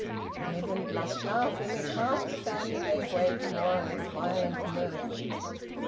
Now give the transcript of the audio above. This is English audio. Edwin blushed, laughing, as half the family gave way to more or less violent mirth.